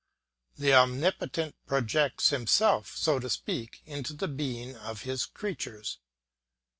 The omnipotent projects himself, so to speak, into the being of his creatures.